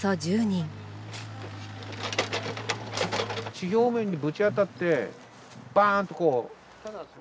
地上面にぶち当たってバーンとこう。